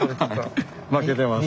負けてます。